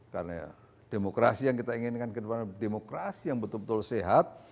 karena demokrasi yang kita inginkan ke depan demokrasi yang betul betul sehat